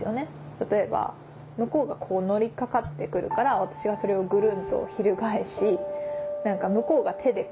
例えば向こうが乗りかかって来るから私がそれをグルンと翻し向こうが手で。